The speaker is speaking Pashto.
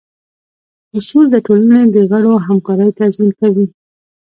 اصول د ټولنې د غړو همکارۍ تضمین کوي.